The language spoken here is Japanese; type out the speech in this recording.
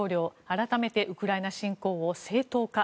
改めてウクライナ侵攻を正当化。